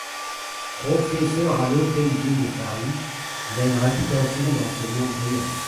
Professeur à l'Hôtel-Dieu de Paris, il a une réputation d'enseignant brillant.